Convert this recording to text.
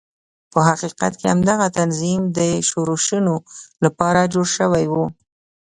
په حقیقت کې همدغه تنظیم د ښورښونو لپاره جوړ شوی و.